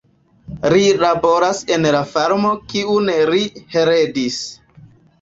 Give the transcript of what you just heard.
Ri laboras en la farmo, kiun ri heredis.